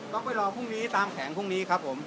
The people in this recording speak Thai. ต้องไปรอตามแข็งพรุ่งนี้ครับผม